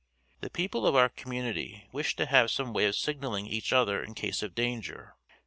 The people of our community wished to have some way of signaling each other in case of danger.